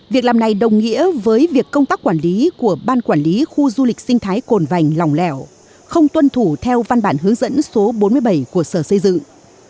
việc làm này đồng nghĩa với việc công tác quản lý của ban quản lý khu du lịch sinh thái cồn vành lòng lẻo không tuân thủ theo văn bản hướng dẫn số bốn mươi bảy của sở xây dựng